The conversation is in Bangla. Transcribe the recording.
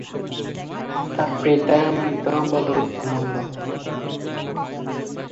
তার পিতা মৃত বদর উদ্দিন মণ্ডল।